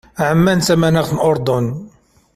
Ɛemman d tamaxt n Uṛdun.